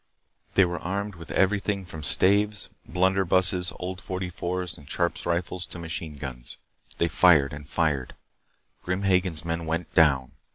They were armed with everything from staves, blunderbusses, old forty fours and Sharps rifles to machine guns. They fired and fired. Grim Hagen's men went down.